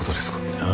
ああ。